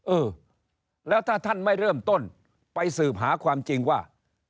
เออแล้วถ้าท่านไม่เริ่มต้นไปสืบหาความจริงว่า